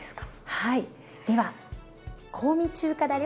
はい。